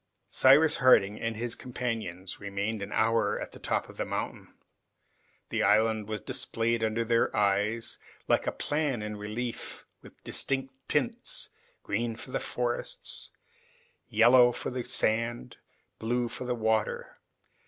Cyrus Harding and his companions remained an hour at the top of the mountain. The island was displayed under their eyes, like a plan in relief with different tints, green for the forests, yellow for the sand, blue for the water.